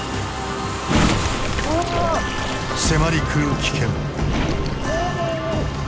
迫りくる危険。